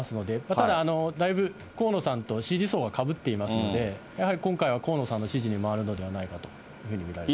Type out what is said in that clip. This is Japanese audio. ただ、だいぶ、河野さんと支持層がかぶっていますので、やはり今回は、河野さんの支持に回るのではないかというふうに見られています。